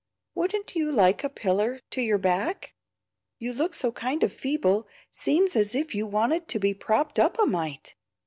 Wouldn't you like a piller to your back? you look so kind of feeble seems as if you wanted to be propped up a mite."